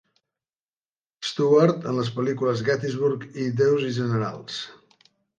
Stuart en les pel·lícules "Gettysburg" i "déus i generals".